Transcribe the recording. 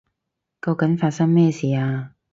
究竟發生咩事啊？